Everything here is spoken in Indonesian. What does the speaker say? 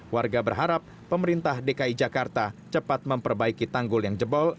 warga berharap pemerintah dki jakarta cepat memperbaiki tanggul yang jebol